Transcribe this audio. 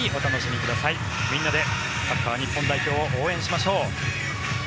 みんなでサッカー日本代表を応援しましょう。